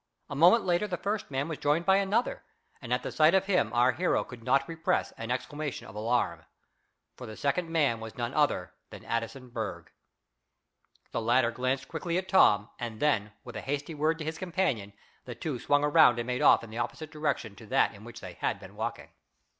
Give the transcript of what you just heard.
A moment later the first man was joined by another, and at the sight of him our hero could not repress an exclamation of alarm. For the second man was none other than Addison Berg. The latter glanced quickly at Tom, and then, with a hasty word to his companion, the two swung around and made off in the opposite direction to that in which they had been walking.